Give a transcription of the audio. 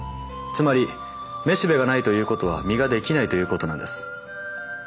つまりめしべがないということは実が出来ないということなんです。